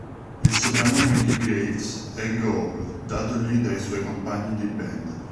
Il soprannome di Graves è 'Ghoul' datogli dai suoi compagni di band.